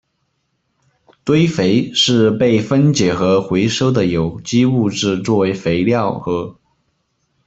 堆肥是被分解和回收的有机物质作为肥料和。